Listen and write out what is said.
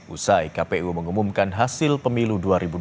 usai kpu mengumumkan hasil pemilu dua ribu dua puluh